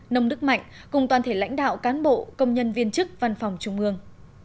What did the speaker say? nông đức mạnh cùng toàn thể lãnh đạo cán bộ công nhân viên chức văn phòng trung ương